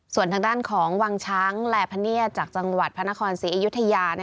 ส่วนทางด้านของวังช้างแลพเนียดจากจังหวัดพระนครศรีอยุธยา